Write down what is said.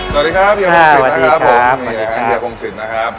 สวัสดีครับเฮียคงศิลป์นะครับสวัสดีครับผมเฮียค่ะเฮียคงศิลป์นะครับ